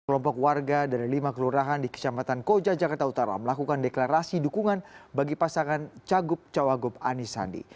kelompok warga dari lima kelurahan di kecamatan koja jakarta utara melakukan deklarasi dukungan bagi pasangan cagup cawagup anis sandi